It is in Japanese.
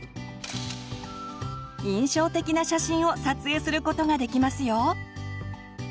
印象的な写真を撮影することができますよ！